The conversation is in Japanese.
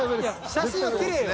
写真はきれいよ。